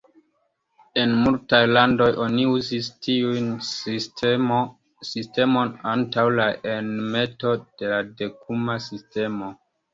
En multaj landoj oni uzis tiun sistemon antaŭ la enmeto de la dekuma sistemo.